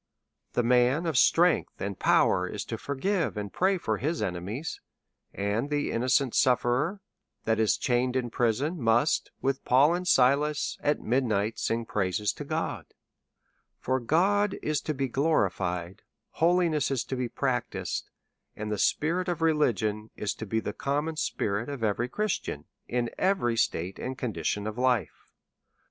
The man of strength and power is to forgive and pray for his enemies, and the innocent sufferer that is chained in prison must, with Paul and Silas, at mid night sing praise to God ; for God is to be glorified, holiness is to be practised, and tlie spirit of religion is 112 A SERIOUS CALL TO A to be the common spirit of every Christian in every state and condition of life.